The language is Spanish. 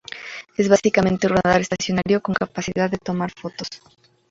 Es básicamente un radar estacionario con capacidad de tomar fotos.